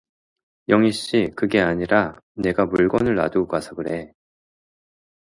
영희씨, 그게 아니라, 내가 물건을 놔두고가서 그래.